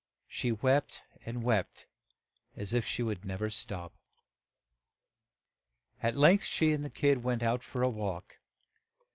She wept and wept as if she would nev er stop. At length she and the kid went out for a walk.